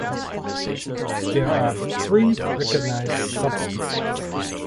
There are three recognized subspecies.